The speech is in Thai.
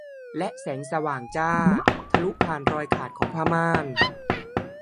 และแสงสว่างจ้าทะลุผ่านรอยขาดของผ้าม่าน